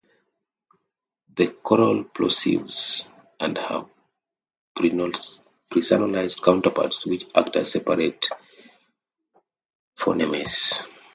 The coronal plosives and have prenasalized counterparts which act as separate phonemes.